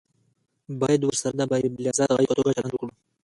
باید ورسره د بالذات غایې په توګه چلند وکړو.